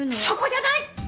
そこじゃない！